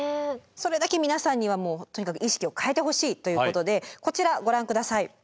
それだけ皆さんにはとにかく意識を変えてほしいということでこちらご覧ください。